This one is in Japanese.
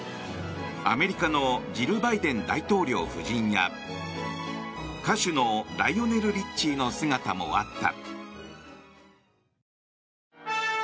アメリカのジル・バイデン大統領夫人や歌手のライオネル・リッチーの姿もあった。